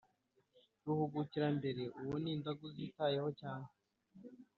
Ruhugukirambere: uwo indagu zitayeho cyane.